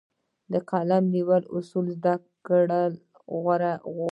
د قلم نیولو اصول زده کړه غواړي.